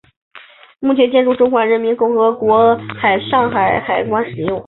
目前该建筑由中华人民共和国上海海关使用。